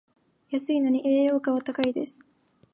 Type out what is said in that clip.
安いのに栄養価は高いです